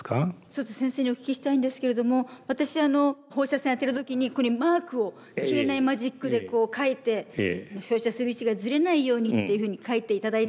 一つ先生にお聞きしたいんですけれども私放射線当てる時にここにマークを消えないマジックでこう書いて照射する位置がずれないようにっていうふうに書いていただいた。